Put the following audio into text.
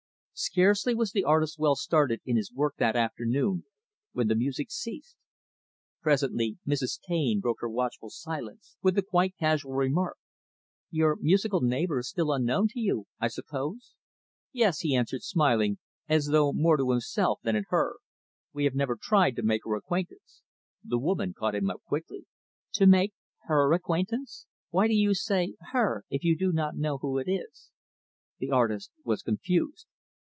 Scarcely was the artist well started in his work, that afternoon, when the music ceased. Presently, Mrs. Taine broke her watchful silence, with the quite casual remark; "Your musical neighbor is still unknown to you, I suppose?" "Yes," he answered smiling, as though more to himself than at her, "we have never tried to make her acquaintance." The woman caught him up quickly; "To make her acquaintance? Why do you say, 'her,' if you do not know who it is?" The artist was confused.